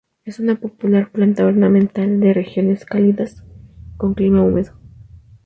Es una popular planta ornamental de regiones cálidas con clima húmedo.